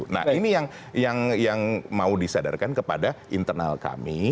nah ini yang mau disadarkan kepada internal kami